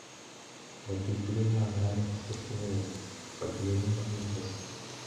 Mu byukuri nta mwanya mfite kuri ubu fabien niwe wabivuze